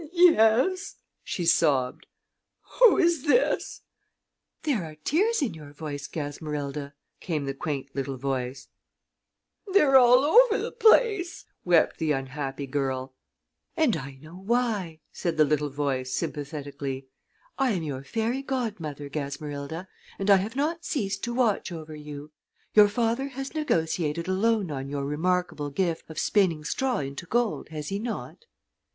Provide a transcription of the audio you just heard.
"Yes," she sobbed. "Who is this?" "There are tears in your voice, Gasmerilda," came the quaint little voice. "They are all over the place," wept the unhappy girl. [Illustration: "I AM YOUR FAIRY GODMOTHER, GASMERILDA"] "And I know why," said the little voice, sympathetically. "I am your fairy godmother, Gasmerilda, and I have not ceased to watch over you. Your father has negotiated a loan on your remarkable gift of spinning straw into gold, has he not?"